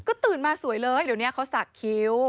ก็ตื่นมาสวยเลยเดี๋ยวนี้เขาสักคิ้ว